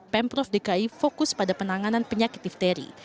pemprov dki fokus pada penanganan penyakit difteri